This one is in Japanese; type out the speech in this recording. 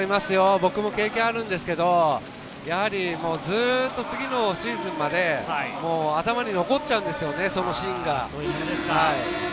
僕も経験あるんですけど、ずっと次のシーズンまで頭に残っちゃうんですよ、そのシーンが。